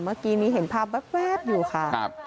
เมื่อกี้นี้เห็นภาพแวบอยู่ค่ะ